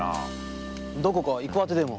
どこか行くあてでも？